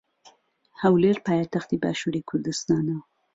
ھەولێر پایتەختی باشووری کوردستانە.